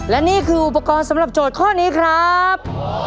และนี่คืออุปกรณ์สำหรับโจทย์ข้อนี้ครับ